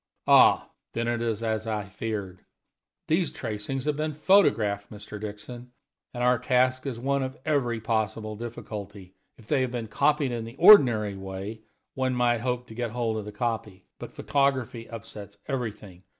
"Ah! then it is as I feared. These tracings have been photographed, Mr. Dixon, and our task is one of every possible difficulty. If they had been copied in the ordinary way, one might hope to get hold of the copy. But photography upsets everything.